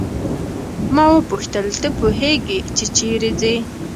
ما وپوښتل ته پوهیږې چې چیرې ځې.